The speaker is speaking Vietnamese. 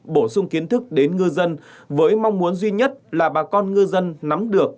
bổ sung kiến thức đến ngư dân với mong muốn duy nhất là bà con ngư dân nắm được